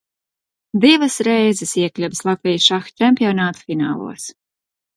Divas reizes iekļuvis Latvijas šaha čempionātu finālos.